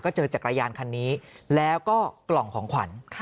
เจอจักรยานคันนี้แล้วก็กล่องของขวัญ